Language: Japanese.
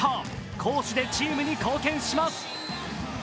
攻守でチームに貢献します。